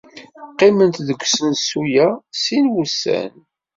Qqiment deg usensu-a sin n wussan.